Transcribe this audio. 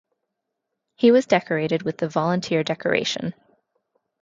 He was decorated with the Volunteer Decoration.